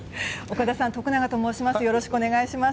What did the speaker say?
岡田さん徳永と申します。